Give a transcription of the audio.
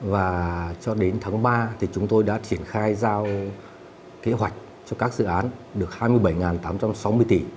và cho đến tháng ba thì chúng tôi đã triển khai giao kế hoạch cho các dự án được hai mươi bảy tám trăm sáu mươi tỷ